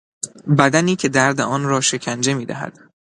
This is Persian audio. بدنی که درد آن را شکنجه میدهد